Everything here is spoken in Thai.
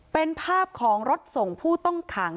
เป็นภาพของรถส่งผู้ต้องขัง